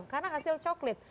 karena hasil coklat